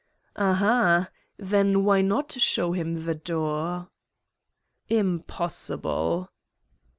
"Ah, ah! Then why not show him the door?" "Impossible."